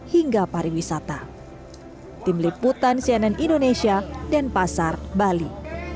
hingga pariwisata tim liputan cnn indonesia dan pasar bali